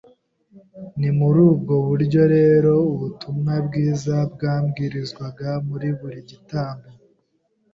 Ni muri ubwo buryo rero ubutumwa bwiza bwabwirizwaga muri buri gitambo